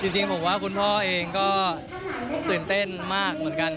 จริงผมว่าคุณพ่อเองก็ตื่นเต้นมากเหมือนกัน